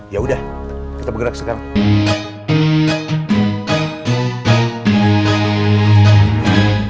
ya udah kita bergerak sekarang